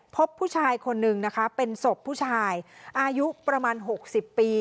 พบผู้ชายคนนึงนะคะเป็นศพผู้ชายอายุประมาณ๖๐ปี